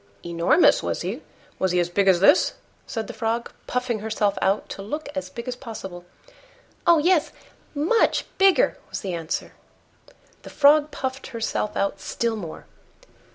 "Enormous, was he? Was he as big as this?" said the Frog, puffing herself out to look as big as possible. "Oh! yes, much bigger," was the answer. The Frog puffed herself out still more.